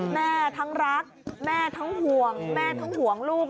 ทั้งรักแม่ทั้งห่วงแม่ทั้งห่วงลูก